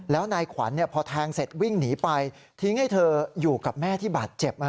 แล้วนายขวัญพอแทงเสร็จวิ่งหนีไปทิ้งให้เธออยู่กับแม่ที่บาดเจ็บ